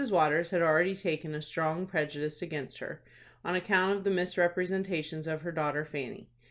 Waters had already taken a strong prejudice against her, on account of the misrepresentations of her daughter Fanny.